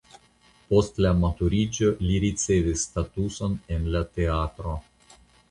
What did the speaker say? Post la maturiĝo li ricevis statuson en la teatro.